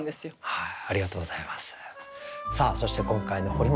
はい。